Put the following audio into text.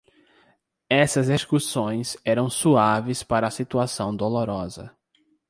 Essas excursões eram suaves para a situação dolorosa.